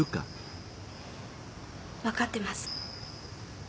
わかってます。